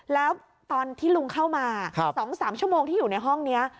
แล้วตอนที่ลุงเข้ามา๒๓ชั่วโมงที่อยู่ในห้องนี้